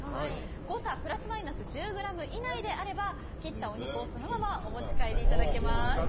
誤差プラスマイナス１０ｇ以内であれば切ったお肉をそのままお持ち帰りいただけます。